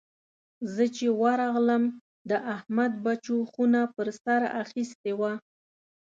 زه چې ورغلم؛ د احمد بچو خونه پر سر اخيستې وه.